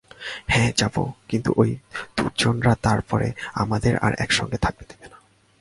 হাঁ যাব, কিন্তু ঐ দূর্জনরা তার পরে আমাদের আর একসঙ্গে থাকতে দেবে না।